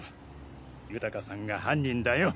豊さんが犯人だよ。